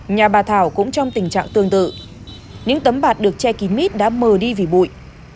nhà bà thảo cũng trong tình trạng tương tự những tấm bạt được che kín mít đã mờ đi vì bụi